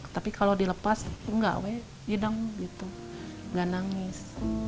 tapi kalau dilepas enggak weh dia dong gitu nggak nangis